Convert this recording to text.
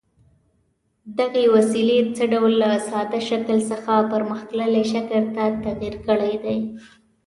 دغې وسیلې څه ډول له ساده شکل څخه پرمختللي شکل ته تغیر کړی دی؟